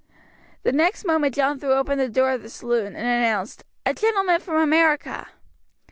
The next moment John threw open the door of the saloon and announced, "A gentleman from America!"